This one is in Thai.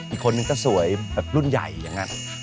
อีกคนนึงก็สวยแบบรุ่นใหญ่อย่างนั้น